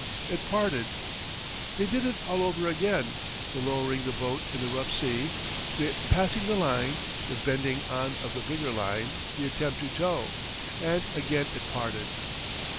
It parted. They did it all over again the lowering the boat in the rough sea, the passing the line, the bending on of the bigger line, the attempt to tow. And again it parted.